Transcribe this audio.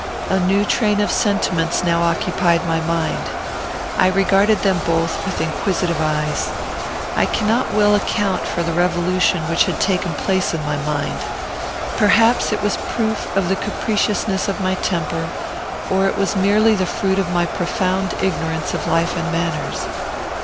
A new train of sentiments now occupied my mind. I regarded them both with inquisitive eyes. I cannot well account for the revolution which had taken place in my mind. Perhaps it was a proof of the capriciousness of my temper, or it was merely the fruit of my profound ignorance of life and manners.